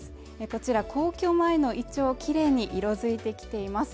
こちら皇居前のイチョウきれいに色づいてきています